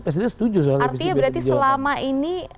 presiden setuju artinya berarti selama ini